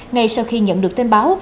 ngay sau khi nhận được tin báo